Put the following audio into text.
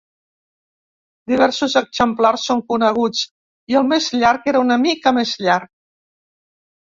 Diversos exemplars són coneguts i el més llarg era una mica més llarg.